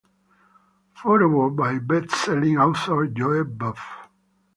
Foreword by Bestselling Author Joe Buff.